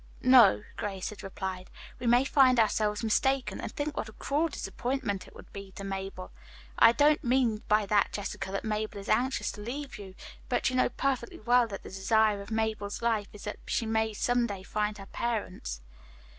"No," Grace had replied. "We may find ourselves mistaken, and think what a cruel disappointment it would be to Mabel. I don't mean by that Jessica, that Mabel is anxious to leave you, but you know perfectly well that the desire of Mabel's life is that she may some day find her parents."